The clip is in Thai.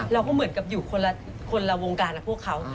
เราก็เหมือนกับอยู่คนละคนละวงการพวกเขา